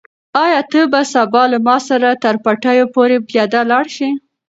آیا ته به سبا له ما سره تر پټیو پورې پیاده لاړ شې؟